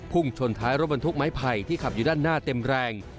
ชนท้ายรถบรรทุกไม้ไผ่ที่ขับอยู่ด้านหน้าเต็มแรง